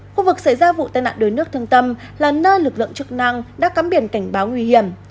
khu vực xảy ra vụ tai nạn đuối nước thương tâm là nơi lực lượng chức năng đã cắm biển cảnh báo nguy hiểm